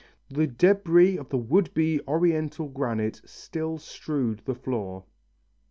The debris of the would be Oriental granite still strewed the floor.